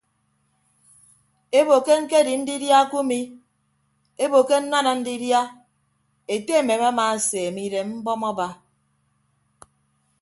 Ebo ke ñkedi ndidia kumi ebo ke nnana ndidia ete emem amaaseeme idem mbọm aba.